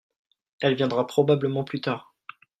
elle viendra probablement plus tard.